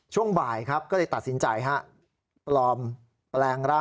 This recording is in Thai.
ช่วงบ่ายครับก็เลยตัดสินใจฮะ